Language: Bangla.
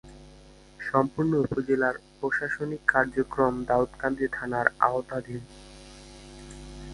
সম্পূর্ণ উপজেলার প্রশাসনিক কার্যক্রম দাউদকান্দি থানার আওতাধীন।